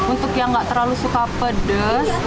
untuk yang gak terlalu suka pedes